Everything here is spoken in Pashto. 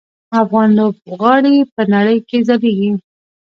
افغان لوبغاړي په نړۍ کې ځلیږي.